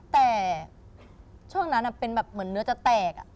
แต่ช่วงนั้นเป็นแบบเหมือนเนื้อจะแตก